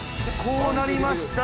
こうなりました。